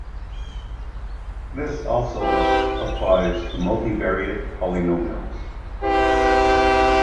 This also applies to multivariate polynomials.